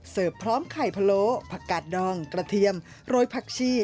พร้อมไข่พะโลผักกาดดองกระเทียมโรยผักชี่